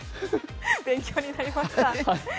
勉強になりました。